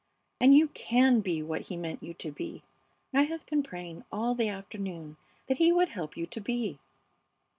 And you can be what He meant you to be. I have been praying all the afternoon that He would help you to be."